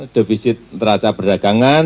defisit teraca perdagangan